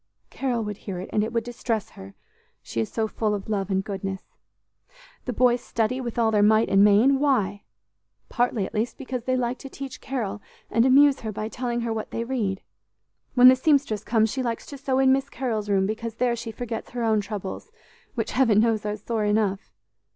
Carol would hear it, and it would distress her, she is so full of love and goodness. The boys study with all their might and main. Why? Partly, at least, because they like to teach Carol, and amuse her by telling her what they read. When the seamstress comes, she likes to sew in Miss Carol's room, because there she forgets her own troubles, which, Heaven knows, are sore enough!